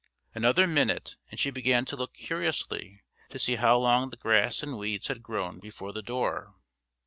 Another minute and she began to look curiously to see how long the grass and weeds had grown before the door.